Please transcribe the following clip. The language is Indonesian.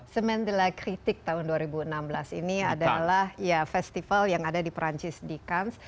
semaine de la critique tahun dua ribu enam belas ini adalah festival yang ada di perancis di cannes